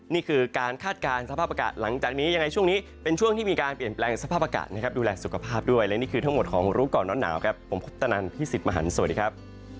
นี่คือการคาดการณ์สภาพอากาศหลังจากนี้ยังไงช่วงนี้เป็นช่วงที่มีการเปลี่ยนแปลงสภาพอากาศนะครับดูแลสุขภาพด้วยและนี่คือทั้งหมดของรู้ก่อนร้อนหนาวครับผมพุทธนันพี่สิทธิ์มหันฯสวัสดีครับ